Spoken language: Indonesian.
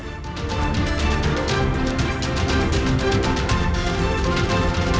terima kasih mas dias